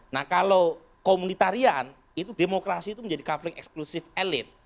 nah kalau komunitarian itu demokrasi itu menjadi kafling eksklusif elit